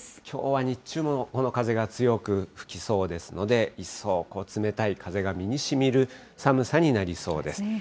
きょうは日中もこの風が強く吹きそうですので、一層冷たい風が身にしみる寒さになりそうです。